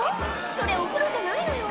それお風呂じゃないのよ